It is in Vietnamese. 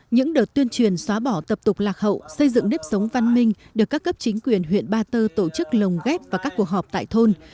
những đợt tuyên truyền xóa bỏ tập tục lạc hậu xây dựng nếp sống văn minh được các cấp chính quyền huyện ba tơ tổ chức lồng ghép và các cuộc họp tại thôn